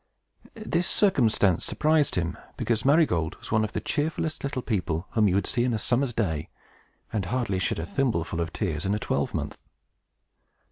This circumstance surprised him, because Marygold was one of the cheerfullest little people whom you would see in a summer's day, and hardly shed a thimbleful of tears in a twelvemonth.